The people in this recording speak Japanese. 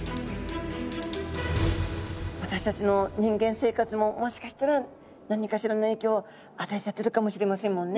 私たちの人間生活ももしかしたら何かしらの影響を与えちゃってるかもしれませんもんね